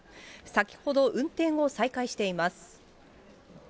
先ほど、運転を再開しています。